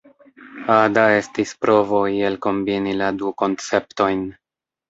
Ada estis provo iel kombini la du konceptojn.